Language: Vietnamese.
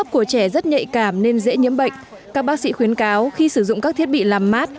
các bác sĩ khuyến cáo khi sử dụng các thiết bị làm mát